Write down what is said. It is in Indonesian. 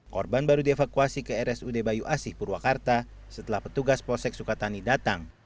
korban baru dievakuasi ke rs udebayu asih purwakarta setelah petugas posek sukatani datang